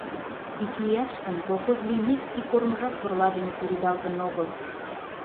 Икияш гын, колхоз лиймек, ик кормыжат сорла дене тӱредалтын огыл.